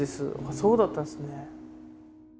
そうだったんですね。